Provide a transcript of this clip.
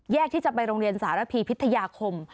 ที่จะไปโรงเรียนสารพีพิทยาคม